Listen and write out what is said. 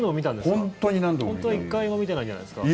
本当は１回も見てないんじゃないですか？